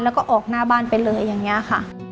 แล้วก็ออกหน้าบ้านไปเลยอย่างนี้ค่ะ